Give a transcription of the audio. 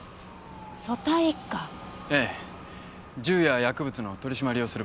ええ銃や薬物の取り締まりをする部署です。